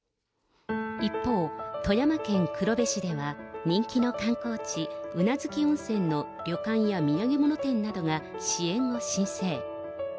一方、富山県黒部市では、人気の観光地、宇奈月温泉の旅館や土産物店などが支援を申請。